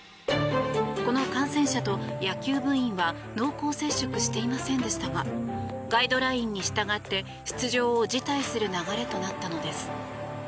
この感染者と野球部員は濃厚接触していませんでしたがガイドラインに従って出場を辞退する流れとなったのです。